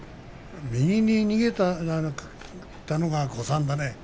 右に逃げたのが誤算だね。